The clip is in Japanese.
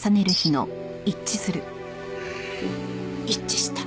一致した。